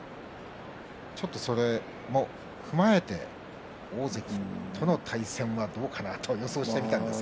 ちょっとそれも踏まえて大関との対戦はどうかなと予想してみたんですが。